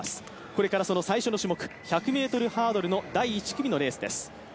これからその最初の種目、１００ｍハードルの第１組のレースです。